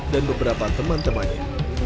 dan beberapa teman temannya